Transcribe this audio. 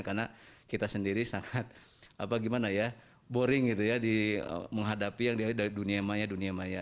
karena kita sendiri sangat boring menghadapi yang diadakan dunia maya